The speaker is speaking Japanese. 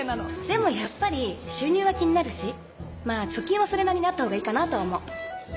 でもやっぱり収入は気になるしまぁ貯金はそれなりにあったほうがいいかなとは思う。